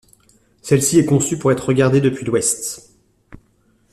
Celle-ci est conçue pour être regardée depuis l'ouest.